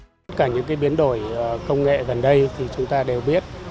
tất cả những biến đổi công nghệ gần đây thì chúng ta đều biết